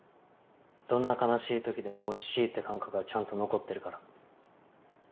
どんな悲しいときでもおいしいって感覚はちゃんと残ってるから。